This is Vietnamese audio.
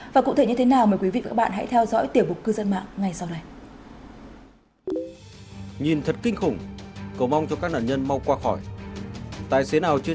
và cụ thể như thế nào mời quý vị và các bạn hãy theo dõi tiểu mục cư dân mạng ngay sau đây